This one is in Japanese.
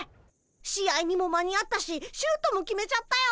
試合にも間に合ったしシュートも決めちゃったよ。